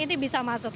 ini bisa masuk